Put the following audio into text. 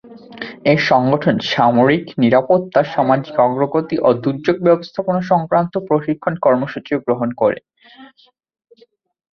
এ সংগঠন সামরিক, নিরাপত্তা, সামাজিক অগ্রগতি ও দুর্যোগ ব্যবস্থাপনা সংক্রান্ত প্রশিক্ষণ কর্মসূচিও গ্রহণ করে।